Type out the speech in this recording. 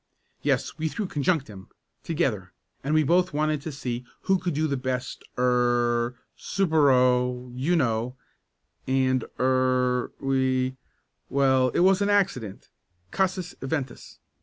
"Yes, we threw conjunctim together and we both wanted to see who could do the best er supero you know, and er we well, it was an accident casus eventus.